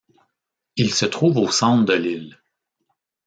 Il se trouve au centre de l’île.